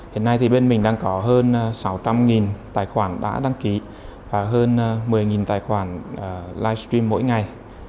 hiện nay thì bên mình đang có hơn sáu trăm linh tài khoản đã đăng ký và hơn một mươi tài khoản livestream mỗi ngày